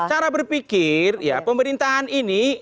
cara berpikir ya pemerintahan ini